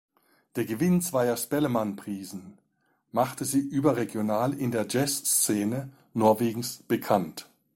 Der Gewinn zweier Spellemannprisen machte sie überregional in der Jazzszene Norwegens bekannt.